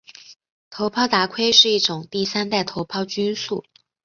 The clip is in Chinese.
头孢达肟是一种第三代头孢菌素。